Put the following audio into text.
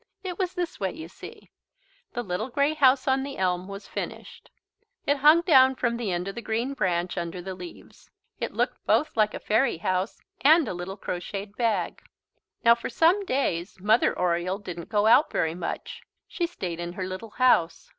It was this way, you see. The little grey house on the elm was finished. It hung down from the end of the green branch, under the leaves. It looked both like a fairy house and a little crocheted bag. Now for some days Mother Oriole didn't go out very much. She stayed in her little house.